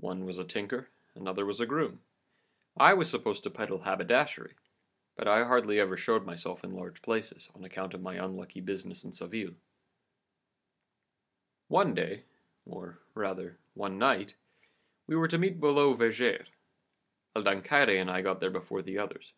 One was a tinker, another was a groom; I was supposed to peddle haberdashery, but I hardly ever showed myself in large places, on account of my unlucky business at Seville. One day, or rather one night, we were to meet below Veger. El Dancaire and I got there before the others.